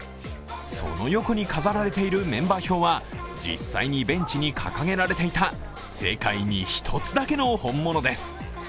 その横に飾られているメンバー表は実際にベンチに掲げられていた世界に１つだけの本物です。